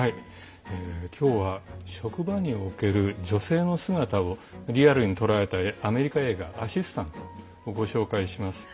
今日は職場における女性の姿をリアルに捉えたアメリカ映画「アシスタント」をご紹介します。